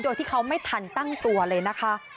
โดยที่เขาไม่ทันตั้งตัวเลยนะคะ